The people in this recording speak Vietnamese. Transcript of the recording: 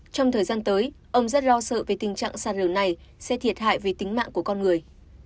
trong thời gian tới ông rất lo sợ về tình trạng sạt lở này sẽ thiệt hại về tính mạng của con người